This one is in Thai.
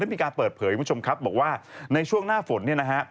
มีการเปิดเผยคุณผู้ชมครับบอกว่าในช่วงหน้าฝนเนี่ยนะฮะ